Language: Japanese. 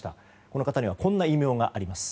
この方にはこんな異名があります。